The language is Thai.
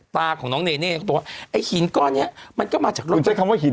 ตาของน้องเนเน่เขาบอกว่าไอ้หินก้อนเนี้ยมันก็มาจากเราใช้คำว่าหิน